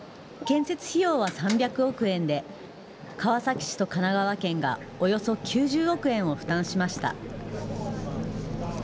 建設費用は３００億円で川崎市と神奈川県がおよそ９０億円を負担しました。